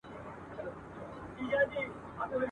برېتور دي چي ښخېږي د زمریو جنازې دي !.